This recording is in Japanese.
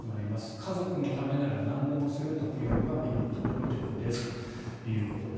家族のためならなんでもするというのがフィリピンの美徳ですということです。